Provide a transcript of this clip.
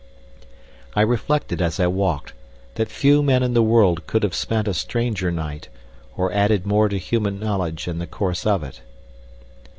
I reflected as I walked that few men in the world could have spent a stranger night or added more to human knowledge in the course of it.